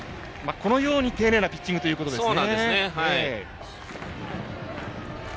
このように丁寧なピッチングということです。